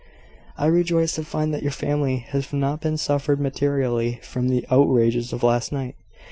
"I rejoice to find that your family have not suffered materially from the outrages of last night.